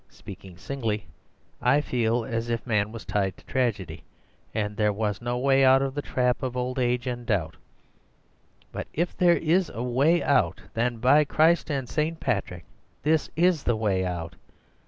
Speaking singly, I feel as if man was tied to tragedy, and there was no way out of the trap of old age and doubt. But if there is a way out, then, by Christ and St. Patrick, this is the way out.